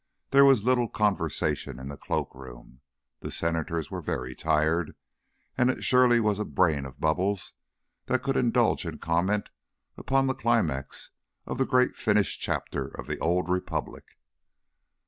There was little conversation in the cloak room. The Senators were very tired, and it surely was a brain of bubbles that could indulge in comment upon the climax of the great finished chapter of the old Republic.